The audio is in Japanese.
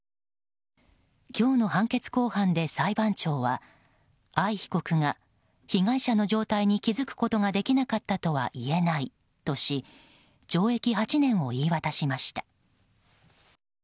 今日の判決公判で裁判長は藍被告が、被害者の状態に気付くことができなかったとはいえないとし懲役８年を言い渡しました。